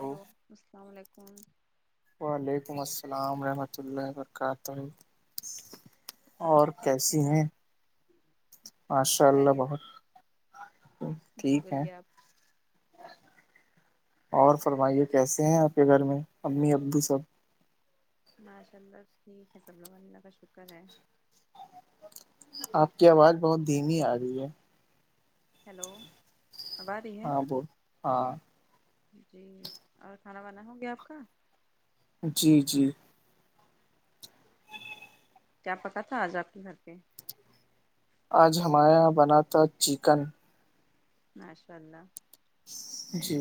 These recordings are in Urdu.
ہلو السلام علیکم وعلیکم السلام ورحمۃ اللہ وبرکاتہ اور کیسے کیسی آپ ہیں ماشاء اللہ خیریت بہت جی ٹھیک ہے بولیے آپ اور فرمائیے کیسے ہیں آپ کے گھر میں امی ابو سب ماشاء اللہ ٹھیک ہے سب لوگ اللہ کا شکر ہے آپ کی آواز بہت دھیمی آ رہی ہے ہیلو اب آ رہی ہے ہاں بول ہاں جی اور کھانا وانا ہو گیا آپ کا جی جی کیا پکا تھا آج آپ کے گھر پہ آج ہمارے یہاں بنا تھا چکن ماشاء اللہ جی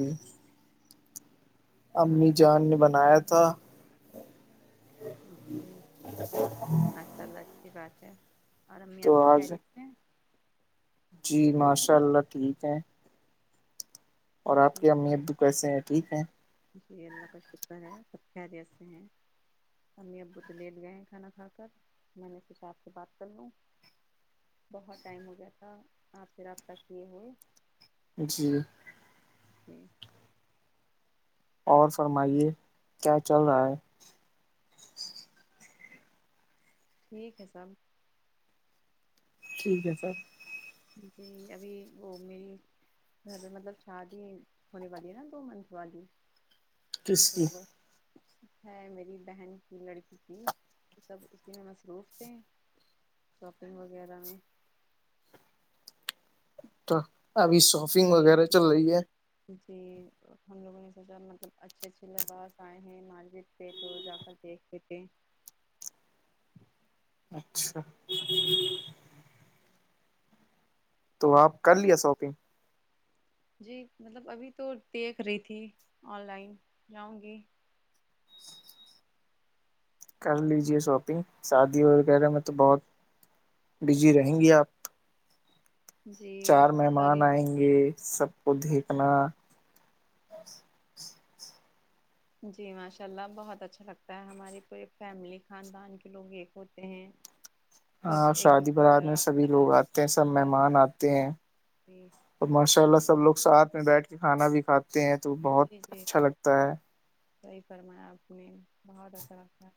اور امی اب جان نے بنایا تھا جی ہاشاء اللہ اچھی بات ہے اور امی تو آپ کی آج خیریت [inaudible] جی ماشاء اللہ ٹھیک ہے اور آپ جی کی امی اتب بھی کیسے ہیں ٹھیک ہیں جی اللہ کا شکر ہے سب خریت سے ہیں امی ابو تو لیٹ گئے ہیں کھانا کھا کر میں نے سوچا آپ سے بات کر لوں بہت ٹائم ہو گیا تھا آپ سے رابطہ کیے ہوئے جی [inaudible] اور فرمائیے کیا چل رہا ہے ٹھیک ہے سب ٹھیک ہے سر جی ابھی وہ میری مطلب شادی ہونے والی ہے نا دو منتھ والی کس کی وہ بس ہے میری بہن کی لڑکی کی سب اسی میں مصروف تھے شاپنگ وغیرہ میں تو ابھی شوپنگ جی ہم جی ہم لوگوں نے سوچا مطلب اچھے اچھے لباس آئے ہیں ماجد تو جا کر دیکھتے تھ اچھا تو آپ کر لیا شاپنگ جی مطلب ابھی تو دیکھ رہی تھی آن لائن جاؤں گی کر لیجیے شاپنگ شادی وغیرہ میں تو بہت بزی رہیں گی آپ جی چار ساری مہمان آئیں گے یہ سب کو دیکھنا جی ماشاء اللہ بہت اچھا لگتا ہے ہماری پوری فیملی خاندان کے لوگ ایک ہوتے ہیں [inaudible] سب ہاں ایک شادی دوسرے سے برات میں سبھی رابطہ لوگ آتے ہیں سب ہوتا ہے ہاں مہمان آتے ہیں جی اور ماشاء اللہ سب لوگ ساتھ میں بیٹھ کے کھانا بھی کھاتے ہیں تو بہت اچھا لگتا ہے صحی فرمایا آپ کو م بہت اچھا لگتا ہے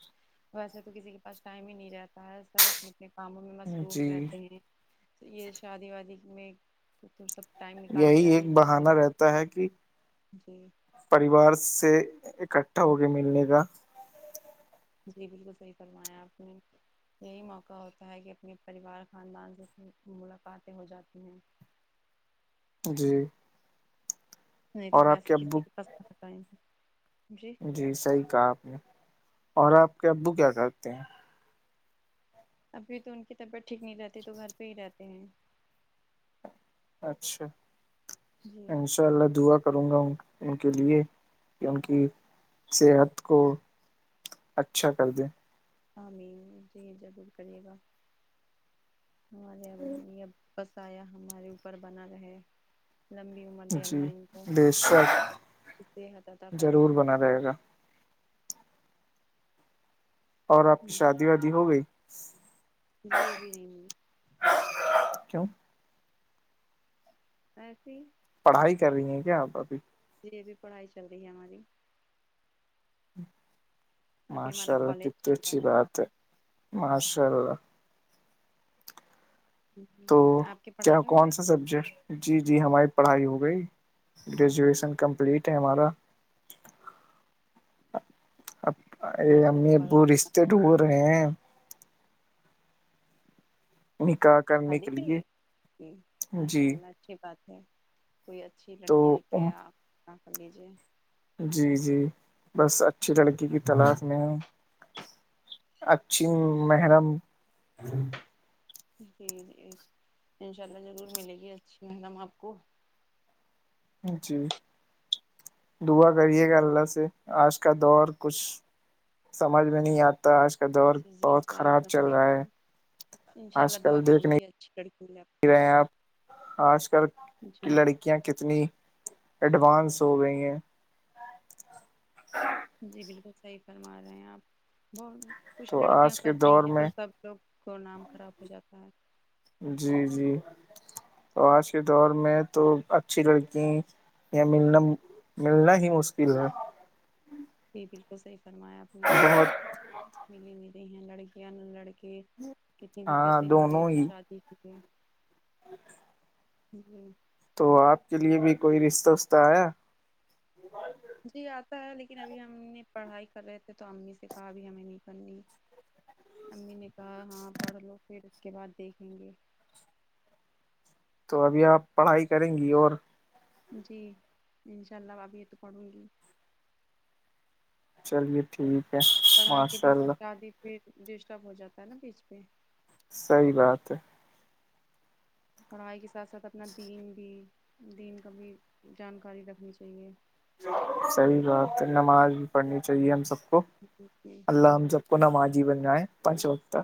ویسے تو کسی کے پاس ٹائم ہی نہیں رہتا ہے سب اپنے اپنے کاموں میں ہے مصروف جی رہتے ہیں تو یہ شادی وادی میں تو تو سب ٹائم نکال یہی کے آ ایک ہی جاتے بہانہ رہتا ہے کہ جی پریوار سے اکٹھا ہو کے ملنے کا جی بالکل صحیح فرمایا آپ نے یہی موقع ہوتا ہے کہ اپنے پریوار خاندان سےھر ملاقاتیں ہو جاتی ہیں جی نہیں تو اور آپ ویسے ابو کسی کے پس پت نہیں جی جی صحیح کہا آپ نے اور آپ کے ابو کیا کرتے ہیں ابھی تو ان کی طبیعت ٹھیک نہیں رہتی تو گھر پہ ہی رہتے ہیں اچھا جی انشاء اللہ دعا کروں گا ان کے لیے کہ ان کی صحت کو اچھا کر دے ہامی جے ضرور کریے گا ہمارے ا یہب بسایا ہمارے اوپر بنا رہے لمبی عمر دے جی اللہ ان کو بے شک اس سے حطط کرے نا رہے گا اور آپ کی شادی وادی ہو گئی جی ابھی نہیں ملی کیوں ایسیے پڑھائی کر رہی ہیں کیا آپ ابھی یہی بھی پڑھائی چل رہی ہے ہماری ابھی ماشاء ہمارا اللہ کالج کتنی چل رہا اچھی بات ہے ماشاء اللہ ہے تو آپ کی کیا پڑھائی ہوگی کون سا سبجیکٹ جی جی ہماری پڑھائی ہو گئی گریجویشن کمپلیٹ ہے ہمارا اب ا ماشاء اللہ امی بہت ابو اچھی رشتے ڈھوب رہے ہیں نکا شادی کے لیے ج جی ماشاء اللہ اچھی بات ہے کوئی اچھی لڑکی دکھ تو کے آپ کا کر لیجیے جی جی بس اچھی لڑکی کی تلاق میں ہے اکچھی محرم جی جی انشاء اللہ ضرور ملے گی اچھی مڈم آپ کو جی دعا کریے گا اللہ سے آج کا دور کچھ سمجھ میں نہیں آتا آجل جی جی صحیح فم ان شاء اللہ آج دعا کل دیکھ کروں گی نہیں اچھی لڑکی آپ کو رہے ہیں آپ آج کل کی جی لڑکی کیاں کتنی ایڈوانس ہو گئی ہیں جی بالکل صحیح فرما رہے ہیں آپ بہت کچھ تو لڑکیاں آج کے کر رہی دور ہیں تو میں سب لوگ کو نام خراب ہو جاتا ہے جی جی تو آج کے دور میں تو اچھی لڑکی ملنا ملنا ہی مشکل ہے یہ بالکل صحیح فرمایا اپپ نے بہت ملی ملی ہیں لڑکیاں لڑکے کتنی ہاں دقتیں ہو رہی ہیں شادی کیکیں جی جی تو آپ کے لیے بھی کوئی رستہ وستہ آیا جی آتا ہے لیکن ابھی ہم نے پڑھائی کر رہے تھے تو امی سے کہا ابھی ہمیں نہیں کرنی امی نے کہا ہاں پڑھ لو پھر اس کے بعد دیکھیں گے تو ابھی آپ پڑھائی کریں گی اور جی انشاء اللہ ابھی یہ تو کون ہووں گی چلیے ٹھیک ہے پڑھائی کے ماشاء بیچ سے اللہ شادی ڈسٹرب ہو جاتا ہے نا بیچ پہ صحیح بات ہے پڑھائی کے ساتھ ساتھ اپنا دین بھی دین کا بھی جانکاری رکھنی چاہیے صحیح بات ہے نماز بھی پڑھنی چاہیے ہم سب کو جی جی اللہ ہم جب پن آ جی بن ہے پچ وقت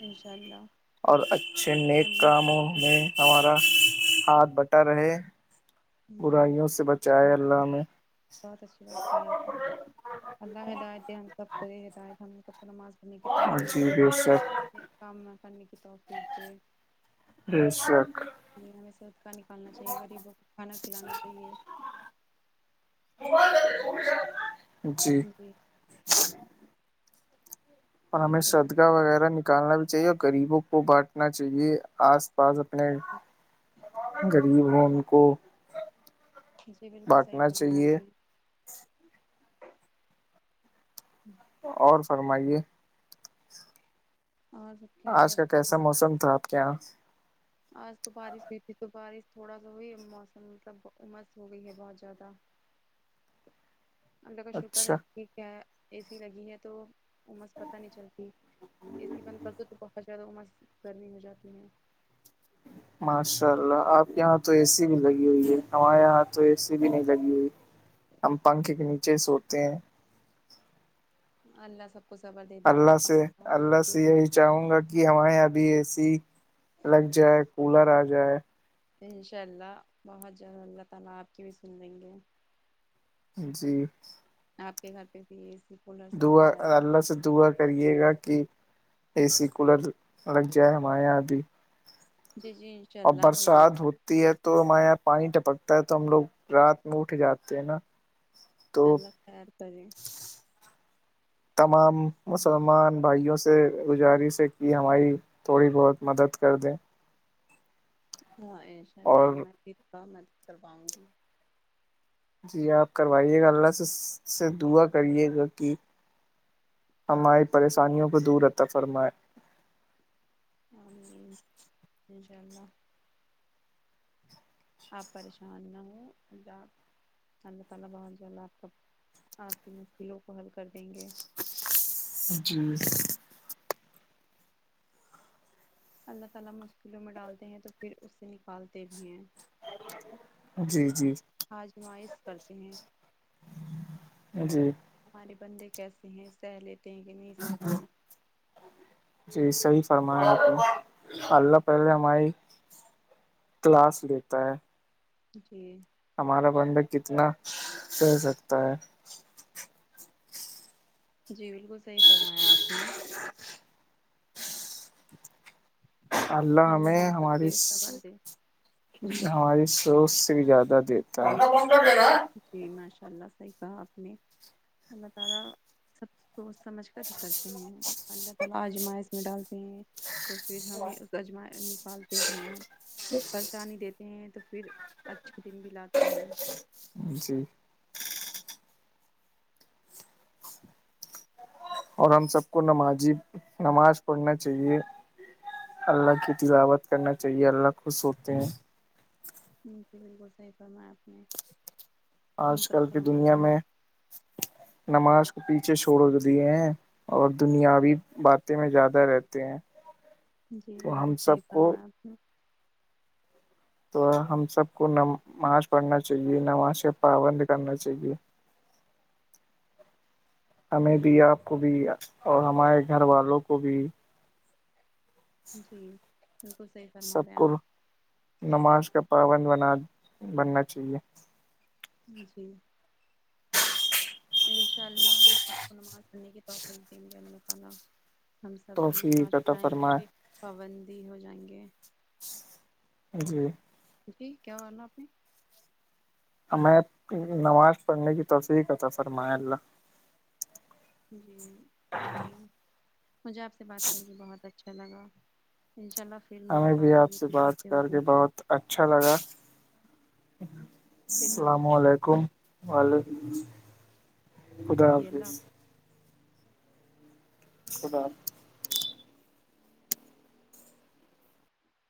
انشاء اللہ اور اچھے نیک اللہ سب کاموں کو میں ہمارا ہاتھ بٹا رہے جیا برائیوں سے اللہ بچائے حافظ میں بہت اچھی بات ت آپ کی اللہ ہدات ہے ہم سب پوری ہدات ہم سب نماز کرنے کی جی توفیقتے بے شک یہ کام ہے کرنے کی توفیقتے ای سک ہمیں سے ہود کا نکالنا چاہیے غریبوں کو کھانا کھلانا چاہیے جی جی اور ہمیں شدکاہ وغیرہ نکالنا بھی چاہیے اور غریبوں کو بانٹنا چاہیے آس پاس اپنے غریب ہوں ان کو جی بالکل صحیح بانٹنا فرمائیایں چاہیے آپ نے ہوں اور فرمائیے اوراں سر آج کا کیسا موسم تھا آپ کے یہاں آج تو بارش بھی تھی تو بارش تھوڑا سا وہ موسم مطلب امس ہو گئی ہے بہت زیادہ ہم کا شکر ہے اچھا کہٹھ کیا ہے اے سی لگی ہے تو عمس پتہ نہیں چلتی اے سی بند کر دو تو بہت زیادہ عمس گرمی ہو جاتی ہے ماشاء اللہ آپ کے یہاں تو اے سی بھی لگی ہوئی ہے ہمارے یہاں تو اے سی بھی نہیں لگی ہوئی ہم پنکھے کے نیچے سوتے ہیں اللہ سب کو زبر دے دیتا ہے اللہ سے پنا ہو یا اللہ سے پھر یہی چاہوں گا کہ ہمارے یہ ابھی اے سی لگ جائے کولر آ جائے انشاءاللہ بہت جلد اللہ تعالی اپ کی بھی زندگی ایم ن آپ کے گھر پہ بھی یہ دعا اللہ سے دعا کریے گا کہ اے سی کولر لگ جائے ہمارے یہاں ابھی جی جی انشاء اور اللہ ضرور برسات ہو تی ہے تو ہمارے یہاں پانی ٹپکتا ہے تو ہم لوگ رات میں اٹھ جاتے ہیں نا تو اللہ تیار کری تمام مسلمان بھائیوں سے گزارش ہے کہ ہماری تھوڑی بہت مدد کر دیں ہاں ان شاء اللہ اور میں فتا مدد کرواؤں گی جی آپ کروائیے گا اللہ سے دعا کریے گا کہ ہماری پریشانیوں کو دور رہتا فرمائے انشاء اللہ آپ پریشان نہ اللہ اللہ تعالی بہت جلد اپ بھی اس کی لو کو حل کر دیں گے جی اللہ تعالی مشکلوں میں ڈالتے ہیں تو پھر اس سے نکالتے بھی ہیں جی جی آجمائش کرتے ہیں جی ہمارے بندے کیسے ہیں سہ لیتے ہیں کہ نہیں سہتے ہیں جی صحی فرمایا آپ نے اللہ پہل ہماری کلاس دیتا ہے جی ہمارا بندہ کتنا رہ سکتا ہے جی بالکل صحیح فرمایا آپ نے اللہ ہمیں ہم سب ہماری کے صبر دے جی ہماری سوس سے بھی زیادہ نا جی ماشاء اللہ صحیح کہا آپ نے اللہ تعالی اب تو سمجھ کر ہی کرتے ہیں اللہ تعالی ازمائش میں ڈالتے ہیں تو پھر ہمیں اس کاجما نکالتے بھی ہیں پریشانی دیتے ہیں تو پھر اچھے دن بھی لاتے ہیں جی عع اور ہم سب کو نمازی نماز پڑھنا چاہیے اللہ کی تجاوت کرنا چاہیے اللہ خ سوتے ہیں نی فی بالکل صحیح فرماپ نے ہم آج سب کل کو کی نماز دنیا پڑھنا میں نماز کو پیچھے چھوڑ دیے ہیں اور دنیاوی باتیں میں زیادہ رہتے ہیں جی تو ہم بالکل صحیح سب کو فرمایا آپ نے تو ہم سب کو نماز پڑھنا چاہیے نماز سے پابند کرنا چاہیے ہمیں بھی آپ کو بھی اور ہمارے گھر والوں کو بھی جی بالکل صحیح سب فرما رہے ہیں کو نماز کا پابند بنا بننا چاہیے جی انشاء اللہ ہم سب کو نماز پڑھنے کی توقیف دیں گے اللہ خانا ہم سب بھی توفیع پہچ عطا پائیں کہ فرمائے پابندی ہو جائیں گے جی جی کیا کرنا ہے آپ نے ہمیں نماز پڑھنے کی توفسییح کا تھا سرما اللہ جی عامر مجھے آپ سے بات کریے بہت اچھا جن کاا انشاء اللہ پھر ہمیں بھی ملاقات آپ ہوگی سے پھر بات باتیں کر کے ہوگی بہت اچھا لگا پھر السلام رابطہ ہوگا علیکم وعلیکم خدا جی حافظ اللہ خدا حافظ